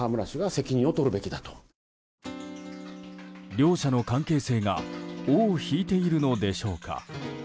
両者の関係性が尾を引いているのでしょうか。